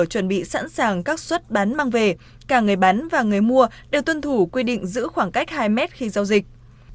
chuẩn bị sẵn sàng các xuất bán mang về cả người bán và người mua đều tuân thủ quy định giữ khoảng cách hai mét khi giao dịch